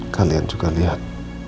kalian juga lihat